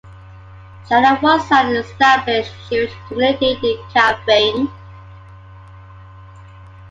China once had an established Jewish community in Kaifeng.